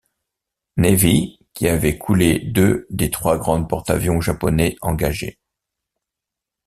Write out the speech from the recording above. Navy, qui avaient coulé deux des trois grands porte-avions japonais engagés.